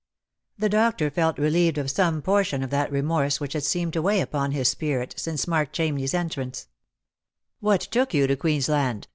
The doctor felt relieved of some portion of that remorse which had seemed to weigh upon his spirit since Mark Chamney's entrance, " What took you to Queensland?"